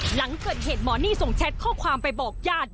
หลังเกิดเหตุหมอนี่ส่งแชทข้อความไปบอกญาติ